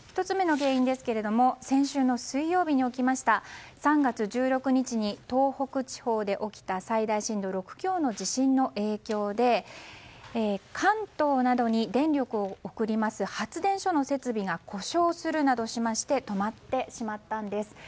１つ目の原因ですが先週の水曜日３月１６日に東北地方で起きた最大震度６強の地震の影響で関東などに電力を送ります発電所の設備が故障するなどして止まってしまったんです。